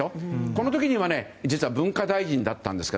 この時には実は文化大臣だったんです。